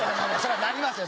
なりますよ